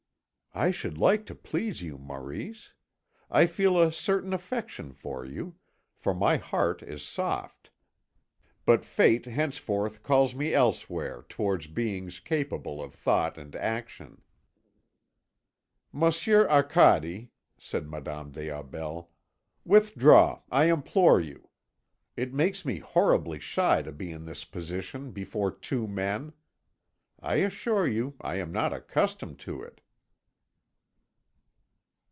"I should like to please you, Maurice. I feel a certain affection for you, for my heart is soft. But fate henceforth calls me elsewhere towards beings capable of thought and action." "Monsieur Arcade," said Madame des Aubels, "withdraw, I implore you. It makes me horribly shy to be in this position before two men. I assure you I am not accustomed to it."